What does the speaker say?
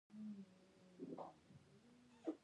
دښمن به یې برجورې او سنګر لرونکې کلاوې جوړې کړې وي.